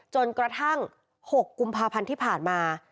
จนกระทั่ง๖กุมภาพันธ์ที่ผ่านมา